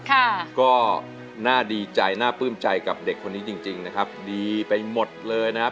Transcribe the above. ค่ะก็น่าดีใจน่าปลื้มใจกับเด็กคนนี้จริงจริงนะครับดีไปหมดเลยนะครับ